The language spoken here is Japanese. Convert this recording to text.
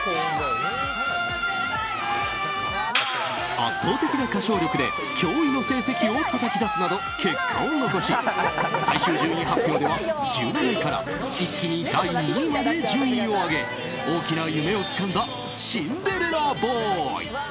圧倒的な歌唱力で驚異の成績をたたき出すなど結果を残し最終順位発表では１７位から一気に第２位まで順位を上げ大きな夢をつかんだシンデレラボーイ。